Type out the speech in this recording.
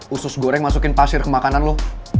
usus goreng masukin pasir ke makanan loh